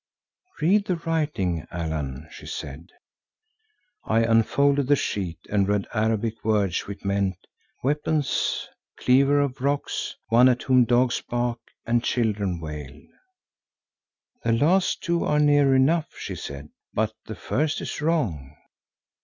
"Read the writing, Allan," she said. I unfolded the sheet and read Arabic words which meant, "Weapons, Cleaver of Rocks, One at whom dogs bark and children wail." "The last two are near enough," she said, "but the first is wrong."